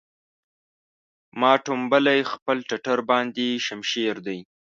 ما ټومبلی خپل ټټر باندې شمشېر دی